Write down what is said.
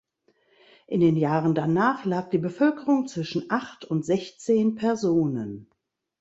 In den Jahren danach lag die Bevölkerung zwischen acht und sechzehn Personen.